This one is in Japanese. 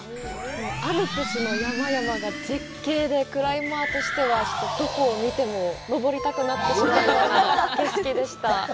アルプスの山々が絶景で、クライマーとしては、ちょっとどこを見ても登りたくなってしまうような景色でした。